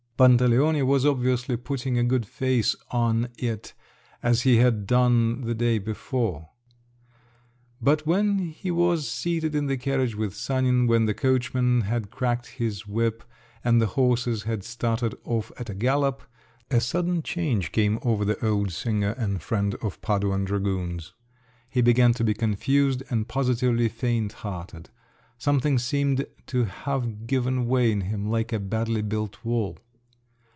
Pantaleone was obviously putting a good face on it as he had done the day before; but when he was seated in the carriage with Sanin, when the coachman had cracked his whip and the horses had started off at a gallop, a sudden change came over the old singer and friend of Paduan dragoons. He began to be confused and positively faint hearted. Something seemed to have given way in him, like a badly built wall.